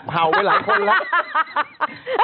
เห่าไปหลายคนแล้ว